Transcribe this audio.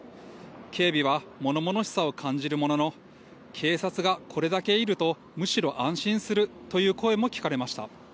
警備はものものしさを感じるものの警察がこれだけいると、むしろ安心するという声も聞かれました。